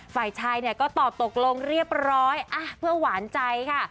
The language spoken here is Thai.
ฝ่ายชายเนี่ยก็ตอบตกลงเรียบร้อยเพื่อหวานใจค่ะ